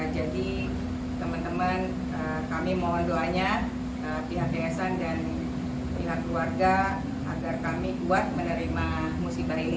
jadi teman teman kami mohon doanya pihak dayasan dan pihak keluarga agar kami kuat menerima musibah ini